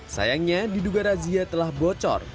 sayangnya diduga razia telah bocor